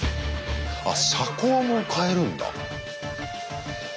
あっ車高も変えるんだ。